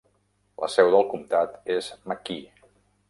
La seu del comtat és McKee.